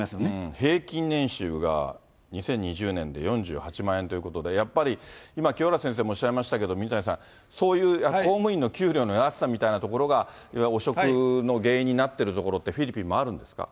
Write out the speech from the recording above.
平均年収が２０２０年で４８万円ということで、やっぱり、今、清原先生もおっしゃいましたけど、水谷さん、そういう公務員の給料の安さみたいなところが汚職の原因になってるところって、フィリピンもあるんですか。